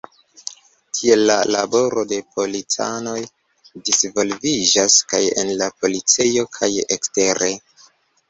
Tiel la laboro de policanoj disvolviĝas kaj en la policejo kaj ekstere.